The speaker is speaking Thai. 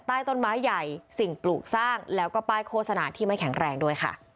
ใต้ต้นไม้ใหญ่สิ่งปลูกสร้างแล้วก็ป้ายโฆษณาที่ไม่แข็งแรงด้วยค่ะ